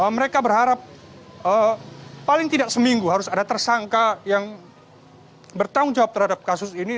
mereka berharap paling tidak seminggu harus ada tersangka yang bertanggung jawab terhadap kasus ini